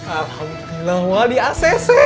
alhamdulillah wak di acc